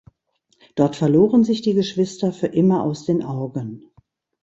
Dort verloren sich die Geschwister für immer aus den Augen.